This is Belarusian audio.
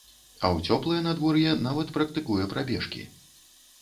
А ў цёплае надвор'е нават практыкуе прабежкі.